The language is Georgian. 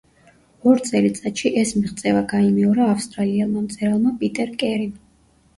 ორ წელიწადში ეს მიღწევა გაიმეორა ავსტრალიელმა მწერალმა პიტერ კერიმ.